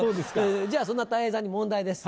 じゃあそんなたい平さんに問題です。